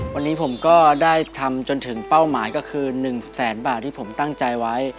วันนี้ผมก็ได้ทำจนถึงเป้าหมายก็คือ๑แสนบาทที่ผมตั้งใจไว้